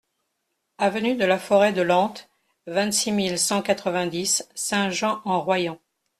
Avenue de la Forêt de Lente, vingt-six mille cent quatre-vingt-dix Saint-Jean-en-Royans